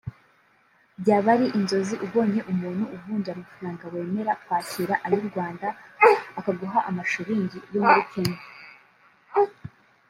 byaba ari inzozi ubonye umuntu uvunja amafaranga wemera kwakira ay’u Rwanda akaguha amashilingi yo muri Kenya